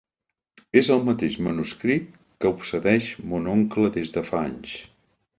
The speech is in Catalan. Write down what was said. És el mateix manuscrit que obsedeix mon oncle des de fa anys.